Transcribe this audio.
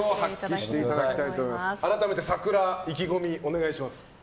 改めて「さくら」意気込みをお願いします。